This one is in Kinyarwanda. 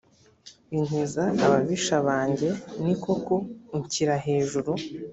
inkiza ababisha banjye ni koko unshyira hejuru